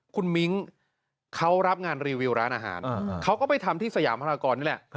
คุณมิ้งเขารับงานรีวิวร้านอาหารเขาก็ไปทำที่สยามพรากรนี่แหละ